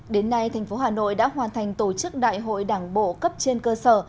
đến nay thành phố hà nội đã hoàn thành tổ chức đại hội đảng bộ cấp trên cơ sở